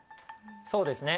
そうですね。